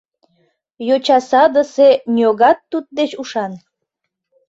Йочасадысе ньогат туддеч ушан